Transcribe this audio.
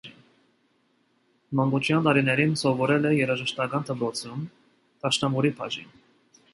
Մանկության տարիներին սովորել է երաժշտական դպրոցում (դաշնամուրի բաժին)։